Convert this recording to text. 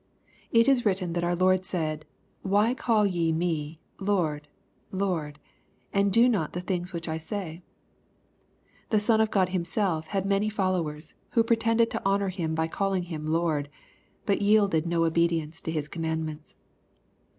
It is written that our Lord said, " Why call ye me Lord, Lord, and do not the things which I say ?" The Son of God Himself had many followers, who pretended to honor Him by calling Him Lord, but yielded no obedience to His commandments.